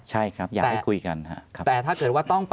ใช่ครับอยากให้คุยกันครับ